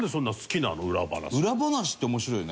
裏話って面白いよね。